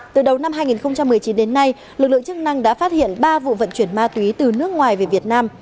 từ đầu năm hai nghìn một mươi chín đến nay lực lượng chức năng đã phát hiện ba vụ vận chuyển ma túy từ nước ngoài về việt nam